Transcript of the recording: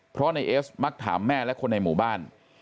เพราะในเอสมักถามแม่และคนในหมู่บ้าน